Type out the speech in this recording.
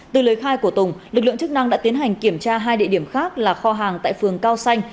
từ lời khai của tùng lực lượng chức năng đã tiến hành kiểm tra hai địa điểm khác là kho hàng tại phường cao xanh